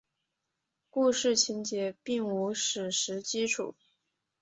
故事情节并无史实基础。